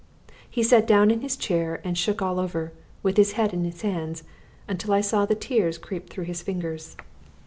He sat down in his chair and shook all over, with his head in his hands, until I saw tears creep through his fingers.